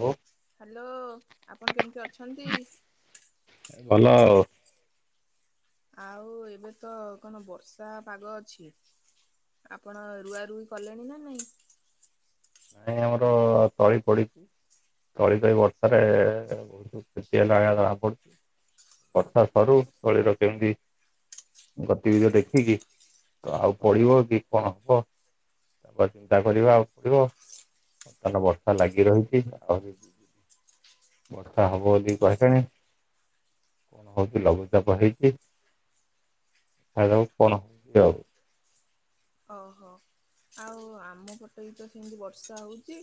ଓ ଓ। ହାଲୋ, ଆପଣ କେମିତି ଅଛନ୍ତି? ଭଲ ଆଉ। ଆଉ, ଏବେ ତ କଣ ବର୍ଷା ପାଗ ଅଛି? ଆପଣ, ରୁଆ ରୁଇ କଲେଣି ନା ନାଇଁ? ନାଇଁ, ଆମର ତଳି ପଡି ତଳି ପାଇଁ ବର୍ଷାରେ-ଏ ବହୁତ କ୍ଷତି ହେଲାଗା ଜଣା ପଡୁଛି। [inaudible] ବର୍ଷା ସରୁ ତଳୀର କେମିତି ଗତିବିଧ ଦେଖିକି, ତ ଆଉ ପଡ଼ିବ କି କଣ ହବ? [unintelligible] ଚିନ୍ତା କରିବା, ଆଉ ପଡିବ। ବର୍ତ୍ତମାନ ବର୍ଷା ଲାଗି ରହିଛି। ଆହୁରି ବର୍ଷା ହବ ବୋଲି କହିଲେଣି। ହଉଛି ଲଘୁଚାପ ହେଇଛି। ଦେଖାଯାଉ କଣ ହଉଛି ଆଉ? ଓହୋ! ଆଉ ଆମ ପଟେ ବି ତ ସିମିତି ବର୍ଷା ହଉଚି।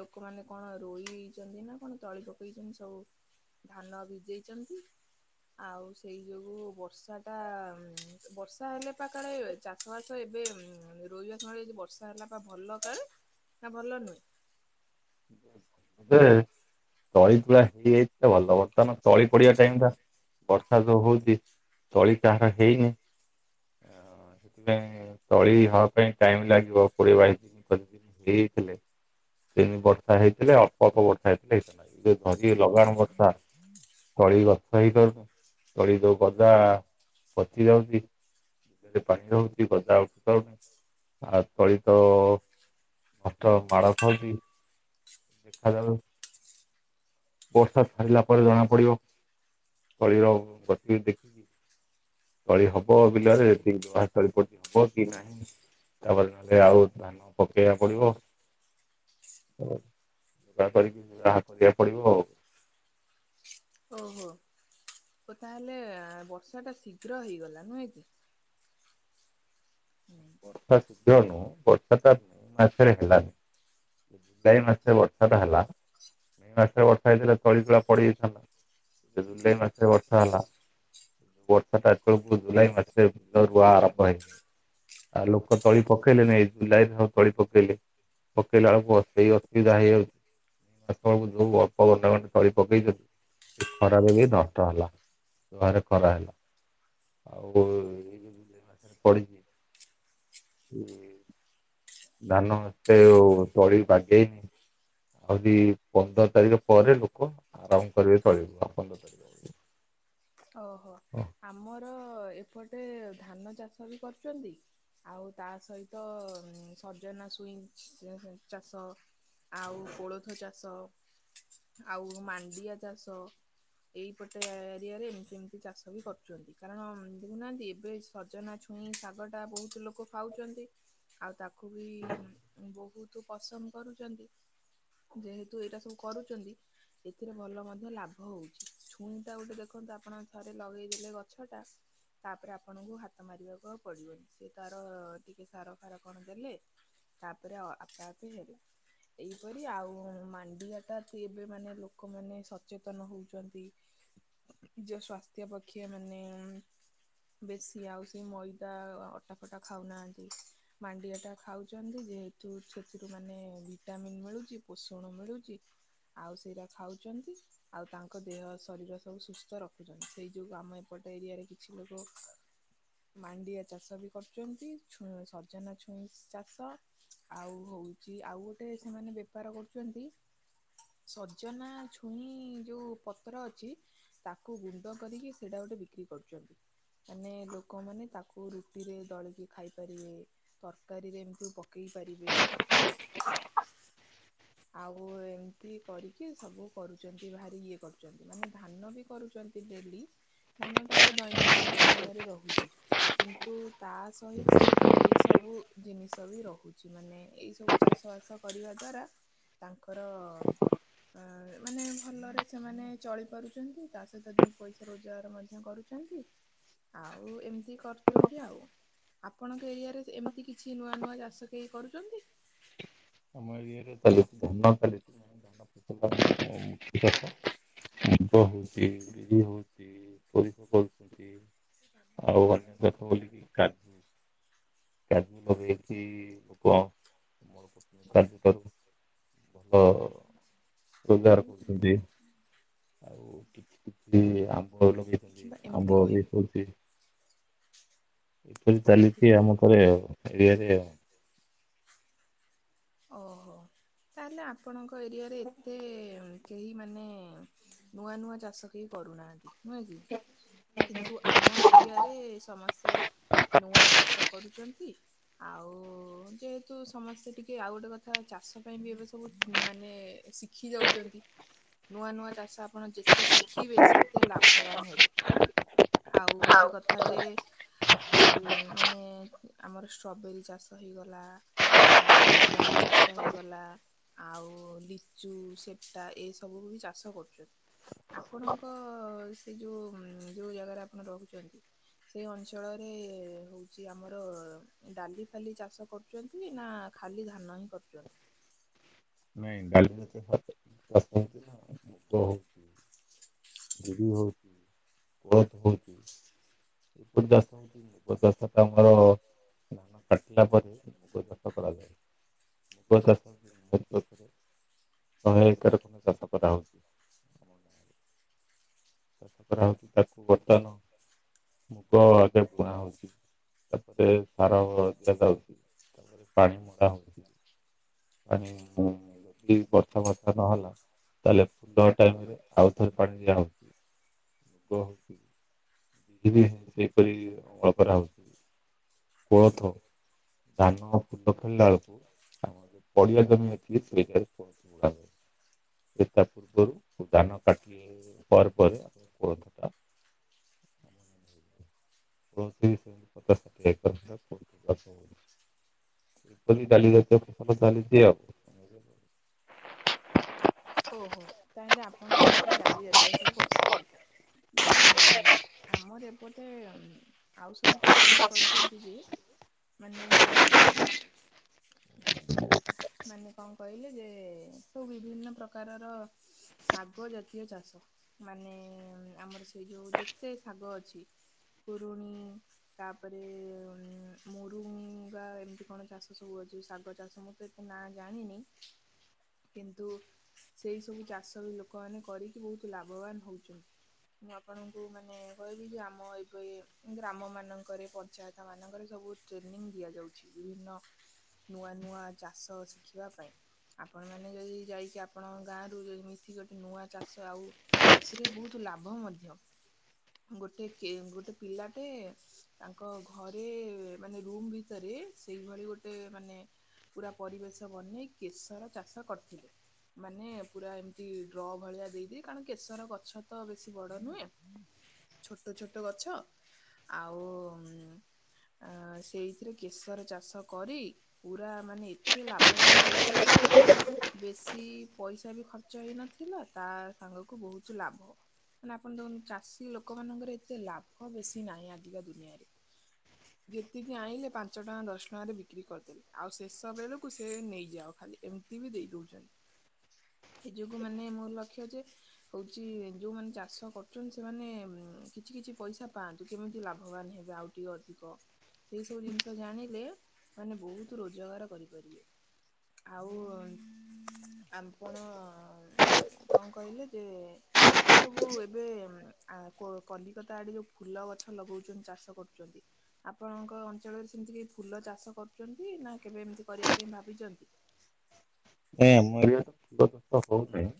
ଲୋକମାନେ କଣ ରୋଇଛନ୍ତି ନା କଣ! ତଳି ପକେଇଛନ୍ତି ସବୁ। ଧାନ ଭିଜେଇଚନ୍ତି! ଆଉ, ସେଇ ଯୋଗୁ ବର୍ଷା ଟା, ଅମ୍ ବର୍ଷା ହେଲେ ପା କାଳେ ଚାଷ ବାସ ଏବେ ରୋଇବା ସମୟରେ ଯଦି, ବର୍ଷା ହେଲା ବା ଭଲ କାଳେ ନା ଭଲ ନୁହେଁ? ଦେ ତଳି ତୁଳା ହେଇଯାଇଥିଲେ ଭଲ। ବର୍ତ୍ତମାନ ତଳି ପଡିବା ଟାଇମ୍ ଟା ବର୍ଷା ତ ହଉଛି। ତଳି କାହାର ହେଇନି। ଅଁ ସେଥିପାଇଁ ହୁଁ, ତଳି ହବା ପାଇଁ ଟାଇମ୍ ଲାଗିବ। କୋଡିଏ ବାଇଶଦିନ କରିକି ହେଇଥିଲେ। ଏଇନେ ବର୍ଷ ବର୍ଷା ହେଇଥିଲେ ଅଳ୍ପ ଅଳ୍ପ ବର୍ଷା ହେଇଥିଲେ ହେଇଥାନ୍ତା। ଏଇ ଯଉ ଝଡ଼ି ଲଗାଣ ବର୍ଷା ତଳି ଗଛ ହେଇପାରୁନି? ତଳି ଯଉ ଗଦା ପଚି ଯାଉଛି। ସେଠି ପାଣି ରହୁଛି ଗଜା ଉଠି ପାରୁନି। ଆଉ ତଳି ତ ମଠ ମାଡ ଖାଉଛି। ଦେଖାଯାଉ। ବର୍ଷା ସାରିଲା ପରେ ଜଣା ପଡିବ? ତଳିର ଗତି ଦେଖିକି! ତଳି ହବ, ବିଲରେ ଯେତିକି ରୁଆହେଇଛି, ତଳି ପଡ଼ିଛି, ହବ କି ନାହିଁ! ତା'ପରେ ନହେଲେ ଆଉ ଧାନ ପକେଇବା ପଡିବ! [unintelligible] କରିକି ଯାହା କରିବାକୁ ପଡିବ। ହଉ। ଓହୋ ଓ ତା, ହେଲେଁ ବର୍ଷା ଟା ଶୀଘ୍ର ହେଇଗଲା, ନୁହେଁ କି! ହୁଁ ବର୍ଷା ଶୀଘ୍ର ନୁହୁଁ, ବର୍ଷାଟା [inaudible] ମାସରେ ହେଲାନି। ଜୁଲାଇ ମାସରେ ବର୍ଷା ଟା ହେଲା। ମେ ମାସରେ ବର୍ଷା ହେଇଥିଲେ, ତଳି ତୁଳା ପଡିଯାଇଥାନ୍ତା ଜୁଲାଇ ମାସରେ ବର୍ଷା ହେଲା। ବର୍ଷାଟା ଆକଚୁଲି ଜୁନ୍ ଜୁଲାଇ ମାସରେ ବିଲ ରୁଆ ଆରମ୍ଭ ହେଇ ଆଉ ଲୋକ ତଳି ପକେଇଲେଣି ଏ ଜୁଲାଇ ଠଉଁ ତଳି ପକେଇଲେ। ପକେଇଲା ବେଳକୁ ଅସ ସେଇ ଅସୁବିଧା ହେଇଯାଉ ଯୋଉ ଅଳ୍ପ ଘଣ୍ଟା ଘଣ୍ଟା ତଳି ପକେଇଛନ୍ତି ଏ ଖରାରେ ବି ନଷ୍ଟ ହେଲା। [unintelligible] ଖରା ହେଲା ଆଉ ତଳି [unintelligible] ଧାନ ଏତେ ଆଉ ତଳି ବାଗେଇନି। ଆଉରିି ପନ୍ଦର ତାରିଖ ପରେ ଲୋକ ଆରମ୍ଭ କରିବେ ତଳି ରୁଆଁ ଆଉ ପନ୍ଦର ଦିନ। ଓହୋ ଆମର ଏପଟେ ଧାନ ଚାଷ ବି କରୁଛନ୍ତି ଆଉ ତା ସହିତ ସଜନା ଛୁଇଁ ଚାଷ। ଆଉ କୋଳଥ ଚାଷ ଆଉ ମାଣ୍ଡିଆ ଚାଷ। ଏଇପଟେ ଏରିଆରେ ସେମିତି ଚାଷ ବି କରୁଚନ୍ତି, କାରଣ ଦେଖୁନାହାନ୍ତି ଏବେ ସଜନା ଛୁଇଁ ଶାଗଟା ବହୁତ ଲୋକ ଖାଉଛନ୍ତି ଆଉ ତାକୁ ବି ବହୁତ ପସନ୍ଦ କରୁଚନ୍ତି। ଯେହେତୁ ଏଇଟା ସବୁ କରୁଚନ୍ତି ଏଥିରେ ଭଲ ମଧ୍ୟ ଲାଭ ହଉଚି, ଛୁଇଁଟା ଗୋଟେ ଦେଖନ୍ତୁ ଆପଣ ଥରେ ଲଗେଇଦେଲେ ଗଛ ଟା ତାପରେ ଆପଣଙ୍କୁ ହାତ ମାରିବାକୁ ଆଉ ପଡିବନି, ସେ ତାର ଟିକେ ସାର ଫାର କଣ ଦେଲେ ତାପରେ ଅ ଆପେ ଆପେ ହେଇଗଲା। ଏହିପରି ଆଉ ମାଣ୍ଡିଆଟା ତ ଏବେ ମାନେ ଲୋକମାନେ ସଚେତନ ହଉଚନ୍ତି। ନିଜ ସ୍ୱାସ୍ଥ୍ୟ ପକ୍ଷେ ମାନେ ବେଶୀ ଆଉ ସେ ମଇଦା ଅଟା ଫଟା ଖାଉନାହାଁନ୍ତି। ମାଣ୍ଡିଆ ଟା ଖାଉଛନ୍ତି ଯେହେତୁ ସେଥିରୁ ମାନେ ଭିଟାମନ୍ ମିଳୁଚି, ପୋଷଣ ମିଳୁଚି। ଆଉ ସେଇର ଖାଉଛନ୍ତି, ଆଉ ତାଙ୍କ ଦେହ ଶରୀର ସବୁ ସୁସ୍ଥ ର ଖୁଛନ୍ତି ସେଇଯୋଗୁ ଆମ ଏପଟେ ଏରିଆରେ କିଛି ଲୋକ ମାଣ୍ଡିଆ ଚାଷ ବି କରୁଚନ୍ତି, ଛୁ ସଜନା ଛୁଇଁ ଚାଷ ଆଉ ହଉଚି ଆଉ ଗୋଟେ ସେମାନେ ବେପାର କରୁଚନ୍ତି ସଜନା ଛୁଇଁ ଯୋଉ ପତ୍ର ଅଛି କୁ ଗୁଣ୍ଡ କରିକି ସେଇଟା ଗୋଟେ ବିକ୍ରି କରୁଛନ୍ତି। ମାନେ ଲୋକମାନେ ତାକୁ ରୁଟିରେ ଦଳିକି ଖାଇପାରିବେ। ତରକାରୀରେ ଏମତି ପକେଇ ପାରିବେ। [unintelligible] ଆଉ ଏମିତି କରିକି ସବୁ କରୁଚନ୍ତି, ଭାରି ଇଏ କରୁଚନ୍ତି ମାନେ ଧାନ ବି କରୁଚ ନ୍ତି ଡେଲି ଧାନଟା ତ ଦୈନନ୍ଦିନ ଜୀବନରେ ରହୁଚି। କିନ୍ତୁ ତା ସହିତ ଏଇ ସବୁ ଜିନିଷ ବି ରହୁଚି, ମାନେ ଏଇ ସବୁ ଚାଷ ବାସ କରିବା ଦ୍ୱାରା ତାଙ୍କର ଆ ମାନେ ଭଲରେ ସେମାନେ ଚଳିପାରୁଚନ୍ତି, ତା ସହିତ ଦି ପଇସା ରୋଜଗାର ମଧ୍ୟ କରୁ ଚନ୍ତି, ଆଉ ଏମତି କରୁଚନ୍ତି ଆଉ। ଆପଣଙ୍କ ଏରିଆରେ ଏମିତି କିଛି ନୂଆ ନୂଆ ଚାଷ କେହି କରୁଚନ୍ତି? ଆମର ଇଏରେ ଚାଲିଛି ଧାନ ଚାଲିଛି। ଧାନ ଫସଲ [unintelligible] ମୁଗ ହଉଛି ବିରି ହଉଚି। [unintelligible] ଆଉ ଅନ୍ୟ କଥା ବୋଲିକି କା [unintelligible] [unintelligible] ସୁଗାର ଏମିତି କରୁଛନ୍ତି। ଆଉ କିଛି କିଛି ଆମ୍ବ ଲଗେଇଛନ୍ତି କିମ୍ବା ଏମିତି ଆମ୍ବ ବି କହିବେ କହ ହଉଚି। ଏପରି ଏମିତି ଚାଲିଛି କହିବେ ଆମ [unintelligible] ଓହୋ। ତାହେଲେ ଆପଣଙ୍କ ଏରିଆରେ ଏତେ କେହି ମାନେ ନୂଆ ନୂଆ ଚାଷ କେହି କରୁନାହାନ୍ତି ନୁହଁ କି, କିନ୍ତୁ ଆମ ଏରିଆରେ ସମସ୍ତେ ନୂଆ ଚାଷ କରୁଚନ୍ତି, ଆଉ ଯେହେତୁ ସମସ୍ତେ ଟି ଏ ଆଉ ଗୋଟେ କଥା ଚାଷ ପାଇଁ ବି ଏବେ ସବୁ ଉଁ ମାନେ ଶିଖି ଯାଉଛନ୍ତି ନୂଆ ନୂଆ ଚାଷ ଆପଣ ଯେତେ ଶିଖିବେ ସେତେ ଲାଭବାନ ହେବେ। ଆଉ ଗୋଟେ କଥା ଯେ ଆ ମାନେ ଆମର ଷ୍ଟ୍ରବେରୀ ଚାଷ ହେଇଗଲା ଆ କମଳା ଚାଷ ହେଇଗଲା। ଆଉ ଲିଚୁ, ସେପଟା ଏ ସବୁକୁ ବି ଚାଷ କରୁଛନ୍ତି। ଆପଣଙ୍କ ସେ ଯୋଉ ଉଁ ଯୋଉ ଜାଗାରେ ଆପଣ ରହୁଛନ୍ତି ସେଇ ଅଞ୍ଚଳରେ ହଉଛି ଆମର ଡାଲି ଫାଲି ଚାଷ କରୁଛନ୍ତି ନା ଖାଲି ଧାନ ହିଁ କରୁଛନ୍ତି? ନାଇଁ ଡ଼ାଲ [unintelligible] [unintelligible] ବହୁତ ବହୁତ। [unintelligible] [unintelligible] ସେଇଟା ଆମର ଧାନ କାଟିଲା ପରେ ମୁଗ ଚାଷ କରାଯାଏ ମୁଗ ଚାଷ ଶହେ ଏକର ଖଣ୍ଡେ ଚାଷ କରାହଉଛି ଆମ ଗାଁରେ ଚାଷ କରାହଉଛି ତାକୁ ବର୍ତ୍ତମାନ ମୁଗ ଆଗେ ବୁଣା ହଉଛି ତାପରେ ସାର ଦିଆଯାଉଛି ତାପରେ ପାଣି ମଡା ହଉଛି ପାଣି ଯଦି ବର୍ଷା ବର୍ଷା ନହେଲା ତାହେଲେ ଫୁଲ ଟାଇମରେ ଆଉ ଥରେ ପାଣି ଦିଆହଉଛି ମୁଗ ହଉଛି ବିରି ବି ସେହିପରି ଅମଳ କରାହଉଛି କୋଳଥ ଧାନ ଫୁଲ ଫଳିଲା ବେଳକୁ ଆମର ଯୋଉ ପଡିଆ ଜମି ଅଛି ସେ ଜାଗାରେ କୋଳଥ ବୁଣା ହୁଏ ସେ ତା ପୂର୍ବରୁ ଧାନ କାଟି ପରେ ପରେ ଆମର କୋଳଥଟା କୋଳଥ ବି ସେମିତି ପଚାଶ ଷାଠିଏ ଏକର ଭଳିଆ କୋଳଥ ଏବେ ଡାଲି ଚାଷ ଫସଲ ଚାଲିଚି ଆଉ। ଆମ ଓହୋ ତାହେଲେ ଆପଣ ଏମିତି ଡାଲି ଜାତୀୟ ସବୁ କରୁଛନ୍ତି। ଯେ ଉଁ ଆମର ଏପଟେ ଉଁ ଆଉ ସବୁ ଚାଷ ବି କରୁଛନ୍ତି ଯେ ମାନେ ମାନେ କଣ କହିଲେ ଯେ ସବୁ ବିଭିନ୍ନ ପ୍ରକାରର ଶାଗ ଜାତୀୟ ଚାଷ ମାନେ ଆମର ସେଇ ଯୋଉ ଯେତେ ଶାଗ ଅଛି ପୁରୁଣି ତାପରେ ଉଁ ମୋରୁଙ୍ଗା ଏମିତି କଣ ଚାଷ ସବୁ ଅଛି ଶାଗ ଚାଷ ମ ତୁ ଏତେ ନାଁ ଜାଣିନି। କିନ୍ତୁ ସେଇ ସବୁ ଚାଷ ବି ଲୋକମାନେ କରିକି ବହୁତ ଲାଭବାନ ହଉଛନ୍ତି। ମୁଁ ଆପଣଙ୍କୁ ମାନେ କହିବି ଯେ ଆମ ଏବେ ଗ୍ରାମ ମାନଙ୍କରେ ପଞ୍ଚାୟତ ତା ମାନଙ୍କରେ ସବୁ ଟ୍ରେନିଂ ଦିଆଯାଉଛି ବିଭିନ୍ନ ନୂଆ ନୂଆ ଚାଷ ଶିଖିବା ପାଇଁ। ଆପଣମାନେ ଯଦି ଯାଇକି ଆପଣଙ୍କ ଗାଁରୁ ଯଦି ମିଶିକି ଗୋଟେ ନୂଆ ଚାଷ ଆଉ ଏଥିରେ ବହୁତ ଲାଭ ମଧ୍ୟ ଗୋଟେ କେ ଗୋଟେ ପିଲାଟେ ତାଙ୍କ ଘରେ ମାନେ ରୁମ୍ ଭିତରେ ସେଇଭଳି ଗୋଟେ ମାନେ ପୁରା ପରିବେଶ ବନେଇ କେଶର ଚାଷ କରିଥିଲେ। ମାନେ ପୁରା ଏମିତି ଡ୍ର ଭଳିଆ ଦେଇଦିଏ କାରଣ କେଶର ଗଛ ତ ବେଶୀ ବଡ଼ ନୁହେଁ ଛୋଟ ଛୋଟ ଗଛ ଆଉ ଆ ସେଇଥିରେ କେଶର ଚାଷ କରି ପୁରା ମାନେ ଏତେ ଲାଭବାନ ହେଇଥିଲେ ଯେ ବେଶୀ ପଇସା ବି ଖର୍ଚ୍ଚ ହେଇନଥିଲା ତା ସାଙ୍ଗକୁ ବହୁତ ଲାଭ। ନା ଆପଣ ଦେଖନ୍ତୁ ଚାଷୀ ଲୋକମାନଙ୍କର ଏତେ ଲାଭ ବେଶୀ ନାହିଁ ଆଜିକା ଦୁନିଆରେ। ଯେତିକି ଆଇଁଲେ ପାଞ୍ଚ ଟଙ୍କା ଦଶ ଟଙ୍କାରେ ବିକ୍ରି କରିଦେଲେ ଆଉ ସେ ଶେଷ ବେଳକୁ ସେ ନେଇଯାଅ ଖାଲି ଏମିତି ବି ଦେଇ ଦଉଛନ୍ତି। ସେଇ ଯୋଗୁଁ ମାନେ ମୋର ଲକ୍ଷ୍ୟ ଯେ ହଉଛି ଯୋଉମାନେ ଚାଷ କରୁଛନ୍ତି ସେମାନେ ଉଁ କିଛି କିଛି ପଇସା ପାଆନ୍ତୁ କେମିତି ଲାଭବାନ ହେବେ ଆଉ ଟିକେ ଅଧିକ ସେଇ ସବୁ ଜିନିଷ ଜାଣିଲେ ମାନେ ବହୁତ ରୋଜଗାର କରିପାରିବେ। ଆଉ ଆମପଣ କଣ କହିଲି ଯେ ଯୋଉ ସବୁ ଏବେ ଉଁ ଆ କୋ କଲିକତା ଆଡେ ଯୋଉ ଫୁଲ ଗଛ ଲଗାଉଛନ୍ତି ଚାଷ କରୁଛନ୍ତି ଆପଣଙ୍କ ଅଞ୍ଚଳରେ ସେମିତି କେଇ ଫୁଲ ଚାଷ କରୁଛନ୍ତି ନା କେବେ ଏମିତି କରିବା ପାଇଁ ଭାବିଛନ୍ତି? ଏଁ ମୁଁ ଏଇଲେ ତ ଫୁଲ ଗଛ ହଉନାହିଁ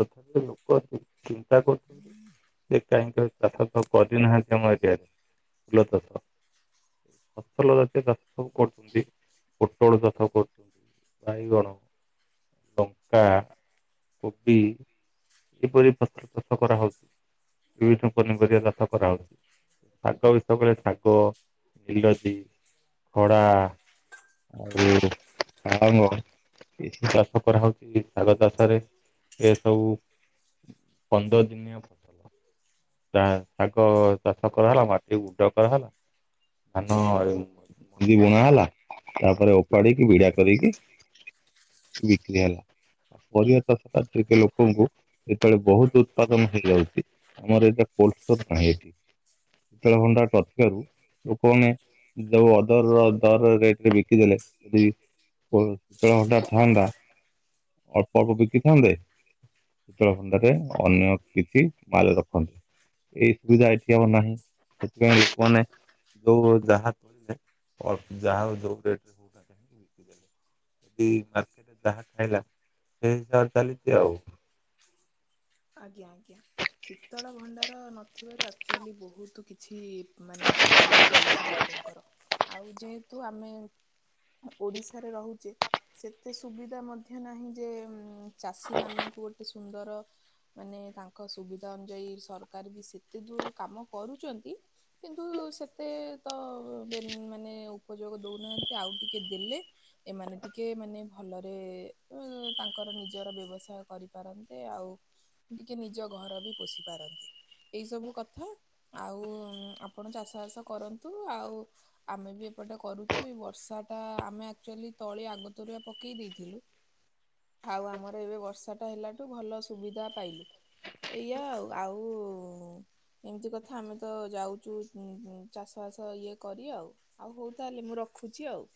ତଥାପି ଲୋକ ଅଛି। ଚିନ୍ତା କରୁ ହୁଁ ସେ କାହିଁକି ପ୍ରାପତ କ କରି ନାହାନ୍ତି ଆମ ଆଗରେ। [unintelligible] ଫସଲ ଜାତୀୟ ଚାଷ ସବୁ କରୁଛନ୍ତି। ପୋଟଳ ଚାଷ କରୁ ବାଇଗଣ। ଲଙ୍କା। କୋବି। କିପରି ଫସଲ ଚାଷ କରା ହଉଚି? ବିଭିନ୍ନ ପନିପରିବା କରାଯାଉଛି। ଶାଗ ବେଶୀ ତ କହିଲେ ଶାଗ। ବିଲାତି। ଖଡ଼ା। ଅଙ୍ଗୁର। ପାଳଙ୍ଗ। କିଛି ଚାଷ କରାହେଉଛି ଶାଗ ଚାଷରେ ଏ ସବୁ ପନ୍ଦର ଦିନିଆ ଶାଗ ଚାଷ କରାହେଲା ମାଟିକୁ ଗୁଣ୍ଡ କରାହେଲା। ଧାନ। ବିରି ବୁଣା ହେଲା ତାପରେ ଓପାଡିକି ବିଡା କରିକି। ବିକ୍ରି ହେଲା, ପରିବା ଦରକାର ଟିକେ ଲୋକଙ୍କୁ ଯେତେବେଳେ ବହୁତ ଉତ୍ପାଦନ ହେଇଯାଉଛି, ଆମର ଏଟା କୋଲଡ ଷ୍ଟୋର ନାହିଁ ଏଠି। ଶୀତଳ ଭଣ୍ଡାର ନ ଥିବାରୁ ଲୋକମାନେ ଯୋଉ ଅଦର ଦର ରେଟ ରେ ବିକି ଦେଲେ କୋଲଡ ଶୀତଳ ଭଣ୍ଡାର ଥାନ୍ତା ଅଳ୍ପ ଅଳ୍ପ ବିକି ଥାନ୍ତେ ଶୀ ଣ୍ଡାରେ ଅନ୍ୟ କିଛି ମାଲ ରଖନ୍ତେ। ଏଇ ସୁବିଧା ଏଠି ଆମ ନାହିଁ, ସେଥିପାଇଁ ଲୋକମାନେ ଦ ଯହାେ ଅଳ୍ପ ଯାହାର ଯୋଉ ରେଟ। [inaudible] ଯ [inaudible] ଯାହା ଖାଇଲା ସେଇ ହିସାବରେ ଚାଲିଛି ଆଉ। ଆଜ୍ଞା ଆଜ୍ଞା। ଶୀତଳ ଭଣ୍ଡାର ନଥିବାରୁ ଆକ୍ଚୁଆଲି ବହୁତ କିଛି ମାନେ ଅସୁବିଧା ହଉଛି ଲୋକ ଲୋକଙ୍କର ଆଉ ଯେହେତୁ ଆମେ ଓଡ଼ିଶାରେ ରହୁଛେ ସେତେ ସୁବିଧା ମଧ୍ୟ ନାହିଁ ଯେ ଚାଷୀମାନଙ୍କୁ ଗୋଟେ ସୁନ୍ଦର ମାନେ ତାଙ୍କ ସୁବିଧା ଅନୁଯାୟୀ ସରକାର ବି ସେତେ ଦୂର କାମ କରୁଛନ୍ତି। କିନ୍ତୁ ସେତେ ତ ବେନ ମାନେ ଉପଯୋଗ ଦଉ ନାହାଁନ୍ତି ଆଉ ଟିକେ ଦେଲେ ଏମାନେ ଟିକେ ମାନେ ଭଲରେ ତାଙ୍କର ନିଜର ବ୍ୟବସାୟ କରିପାରନ୍ତେ ଆଉ ଟିକେ ନିଜ ଘର ବି ପୋଷି ପାରନ୍ତେ। ଏଇ ସବୁ କଥା ଆଉ ଆପଣ ଚାଷ ବାସ କରନ୍ତୁ ଆଉ ଆମେ ବି ଏପଟେ କରୁଛୁ ଏଇ ବର୍ଷାଟା ଆମେ ଆକ୍ଚୁଆଲି ତଳି ଆଗତରୁଆ ପକେଇ ଦେଇଥିଲୁ। ଆଉ ଆମର ଏବେ ବର୍ଷା ଟା ହେଲାଠୁ ଭଲ ସୁବିଧା ପାଇଲୁ। ଏଇଆା ଆଉ ଆଉ ଏମିତି କଥା ଆମେ ତ ଯାଉଛୁ ଉ-ଉ ଚାଷ ବାସ ଇଏ କରି ଆଉ। ଆଉ ହଉ ତାହେଲେ ମୁଁ ରଖୁଛି ଆଉ।